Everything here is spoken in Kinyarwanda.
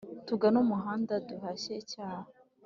tugane umuhanda duhashye icyaha